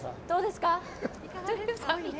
どうですか。